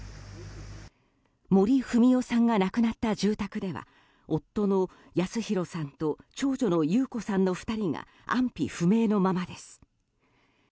森文代さんが亡くなった住宅では夫の保啓さんと長女の優子さんの２人が安否不明のままです。